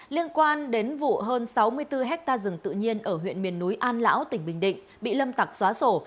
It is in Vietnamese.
liên quan đến vụ hơn sáu mươi bốn hectare rừng tự nhiên ở huyện miền núi an lão tỉnh bình định bị lâm tặc xóa sổ